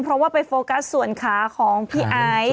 เพราะว่าไปโฟกัสส่วนขาของพี่ไอซ์